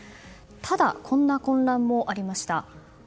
ただ、こんな混乱もありました。